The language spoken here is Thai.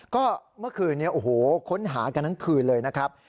ก็เมื่อคืนนี้โอ้โหค้นหากันทั้งคืนเลยนะครับ